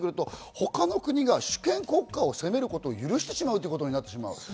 他の国が主権国家を攻めることを許してしまうということになってしまう。